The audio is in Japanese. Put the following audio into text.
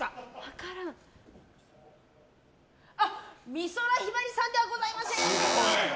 美空ひばりさんではございません。